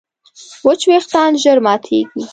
وچ وېښتيان ژر ماتېږي.